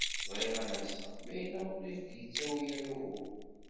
Bɣiɣ ad n-aseɣ ma yella ur ak-d-yettawi ara ugur.